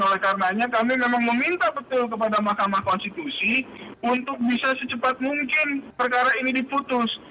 oleh karenanya kami memang meminta betul kepada mahkamah konstitusi untuk bisa secepat mungkin perkara ini diputus